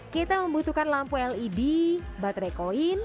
kita membutuhkan lampu led baterai koin